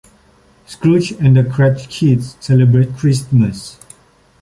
Scrooge and the Cratchits celebrate Christmas.